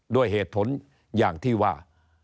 ด้วยเหตุผลอย่างที่ว่า